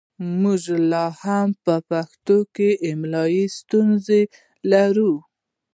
موږ لا هم په پښتو کې املايي ستونزې لرو